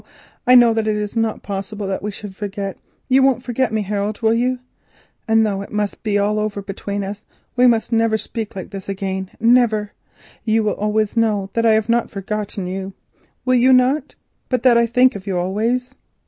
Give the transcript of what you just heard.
no! I feel it is not possible that we should forget. You won't forget me, Harold, will you? And though it must be all over between us, and we must never speak like this again—never—you will always know I have not forgotten you, will you not, but that I think of you always?"